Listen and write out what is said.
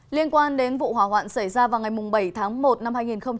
liên quan đến vụ hỏa hoạn xảy ra vào ngày bảy tháng một năm hai nghìn hai mươi